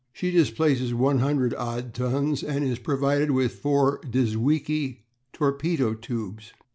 She displaces 100 odd tons and is provided with four Dzewiecki torpedo tubes.